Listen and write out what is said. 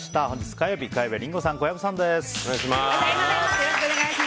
本日火曜日、火曜日はリンゴさん、小籔さんです。